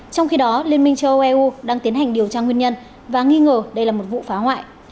trong khi đó liên minh châu âu eu đang tiến hành điều tra nguyên nhân và nghi ngờ đây là một vụ phá hoại